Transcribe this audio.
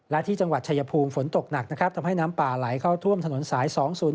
และที่จังหวัดชายภูมิฝนตกหนักนะครับทำให้น้ำป่าไหลเข้าท่วมถนนสาย๒๐๔